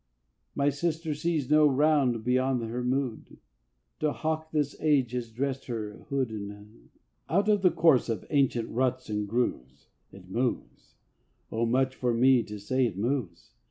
My sister sees no round beyond her mood; To hawk this Age has dressed her head in hood. Out of the course of ancient ruts and grooves, It moves: O much for me to say it moves!